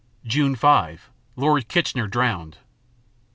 June 5 Lord Kitchener drowned.